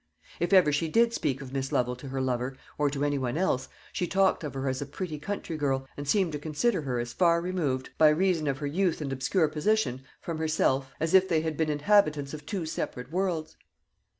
If ever she did speak of Miss Lovel to her lover, or to any one else, she talked of her as a pretty country girl, and seemed to consider her as far removed, by reason of her youth and obscure position, from herself, as if they had been inhabitants of two separate worlds.